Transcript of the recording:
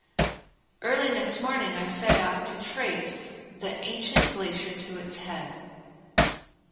Early next morning I set out to trace the ancient glacier to its head.